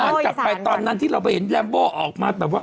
ย้อนจับไปตอนนั้นที่เราไปเห็นลัมโบออกมา